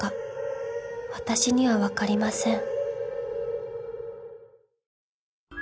私には分かりません］